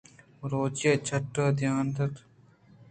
بلوچی چٹّ ءَ یل داتگ